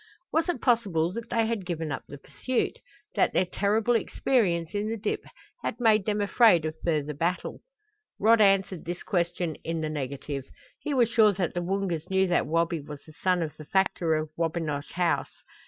Was it possible that they had given up the pursuit that their terrible experience in the dip had made them afraid of further battle? Rod answered this question in the negative. He was sure that the Woongas knew that Wabi was the son of the factor of Wabinosh House.